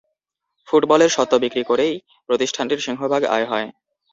ফুটবলের স্বত্ব বিক্রি করেই প্রতিষ্ঠানটির সিংহভাগ আয় হয়।